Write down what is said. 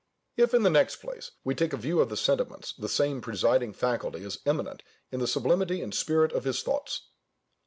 If, in the next place, we take a view of the sentiments, the same presiding faculty is eminent in the sublimity and spirit of his thoughts.